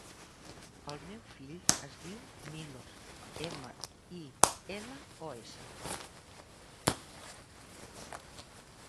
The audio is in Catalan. El meu fill es diu Milos: ema, i, ela, o, essa.